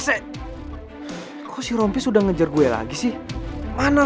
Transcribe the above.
itu semua bohong kan